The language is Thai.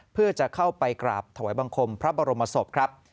เพื่อจะเข้าไปกราบถวายบังคมพระบรมศพครับ